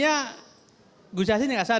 dan begitu pun gus yassin sudah kerja lima tahun